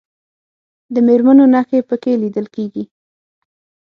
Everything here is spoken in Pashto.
د مرمیو نښې په کې لیدل کېږي.